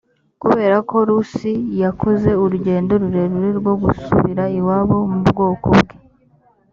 kubera ko rusi yakoze urugendo rurerure rwo gusubira iwabo mu bwoko bwe